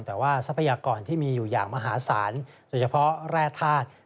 แต่ว่าทรัพยากรที่มีอยู่อย่างมหาศาลโดยเฉพาะแร่ธาตุ